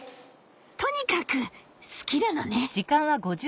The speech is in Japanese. とにかく好きなのね。